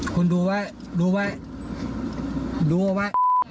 คุณดูไว้นะ